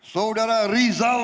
saudara rizal ramli